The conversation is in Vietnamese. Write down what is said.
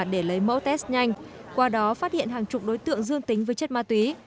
để lấy mẫu test nhanh qua đó phát hiện hàng chục đối tượng dương tính với chất ma túy